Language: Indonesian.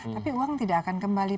tapi uang tidak akan kembali